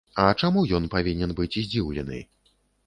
А чаму ён павінен быць здзіўлены?